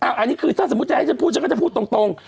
อันนี้คือถ้าสมมุติจะให้ฉันพูดฉันก็จะพูดตรง